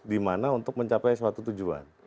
dimana untuk mencapai suatu tujuan